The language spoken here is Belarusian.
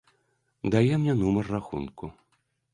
Дае мне нумар рахунку.